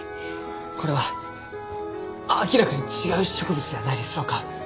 これは明らかに違う植物ではないですろうか？